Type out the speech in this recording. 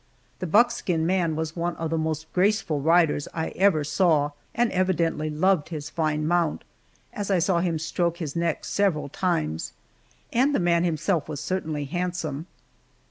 The buckskin man was one of the most graceful riders I ever saw, and evidently loved his fine mount, as I saw him stroke his neck several times and the man himself was certainly handsome.